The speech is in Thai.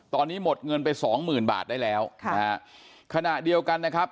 ตอนนี้หมดเงินไปสองหมื่นบาทได้แล้วค่ะนะฮะขณะเดียวกันนะครับ